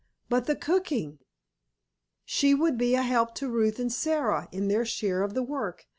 "But the cooking——" "She would be a help to Ruth and Sara in their share of the work.